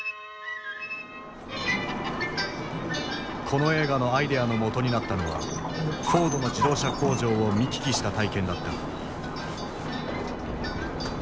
この映画のアイデアのもとになったのはフォードの自動車工場を見聞きした体験だった。